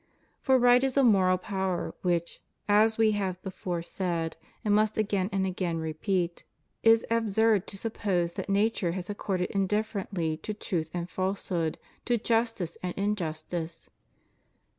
For right is a moral power which — as We have before said and must again and again repeat — it 152 HUMAN LIBERTY. is absurd to suppose that nature has accorded indifferently to truth and falsehood, to justice and injustice.